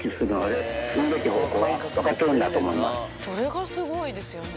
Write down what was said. それがすごいですよね。